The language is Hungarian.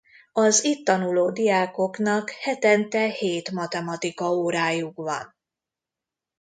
Az itt tanuló diákoknak hetente hét matematika órájuk van.